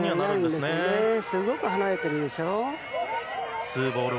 すごく離れてるでしょ。